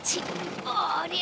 おりゃ！